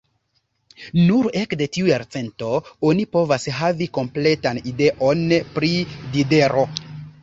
Nur ekde tiu jarcento oni povas havi kompletan ideon pri Diderot.